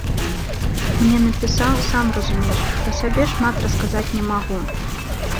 Мне напісаў, сам разумееш, пра сабе шмат расказаць не магу.